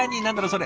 それ。